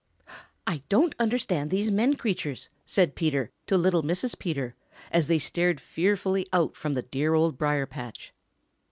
"I don't understand these men creatures," said Peter to little Mrs. Peter, as they stared fearfully out from the dear Old Briar patch.